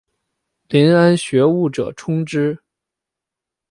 遴谙学务者充之。